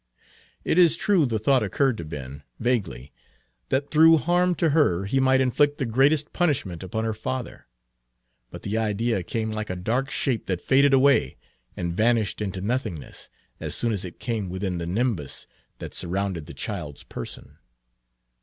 It is true the thought occurred to Ben, vaguely, that through harm to her he might inflict the greatest punishment upon her father; but the idea came like a dark shape that faded away and vanished into nothingness as soon as it came within the nimbus that surrounded the child's person.